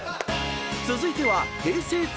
［続いては］